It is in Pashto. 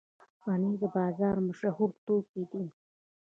پنېر د بازار مشهوره توکي دي.